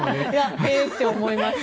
へえって思いました。